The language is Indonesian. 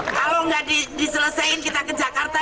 kalau nggak diselesaikan kita ke jakarta